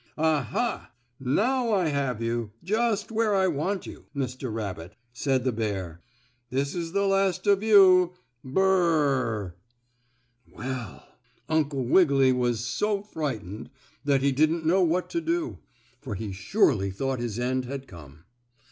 "Ah, ha! Now I have you, just where I want you, Mr. Rabbit," said the bear. "This is the last of you. Burr r r r!" Well, Uncle Wiggily was so frightened that he didn't know what to do, for he surely thought his end had come.